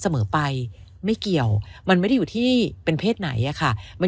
เสมอไปไม่เกี่ยวมันไม่ได้อยู่ที่เป็นเพศไหนอะค่ะ